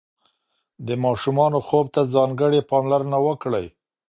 د ماشومانو خوب ته ځانګړې پاملرنه وکړئ.